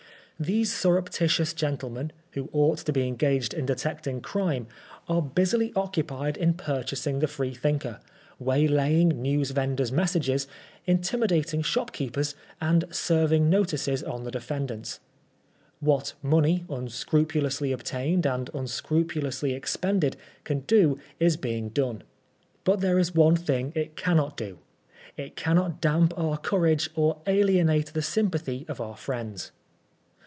These surreptitious c^entleman, who ought to be engaged in detecting crime, are busuy occupied in purchasing FBEPABING TOB TBIAL. 63 the Freethinker y waylaying newsvendors' messengers, intimidating shopkeepers, and serving notices on the defendants. What money, unscrupulously ootained and unscrupulously expended, can do is being done. But there is one thing it cannot do. It cannot damp our courage or alienate the sympathy of our friends.